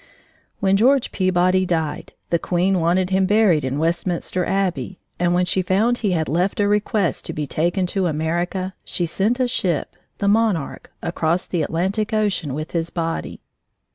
When George Peabody died, the queen wanted him buried in Westminster Abbey, and when she found he had left a request to be taken to America, she sent a ship, the Monarch, across the Atlantic Ocean with his body.